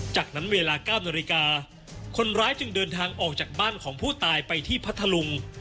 จากนั้นเวลา๙นาฬิกาคนร้ายจึงเดินทางออกจากบ้านของผู้ตายไปที่พัทธลุง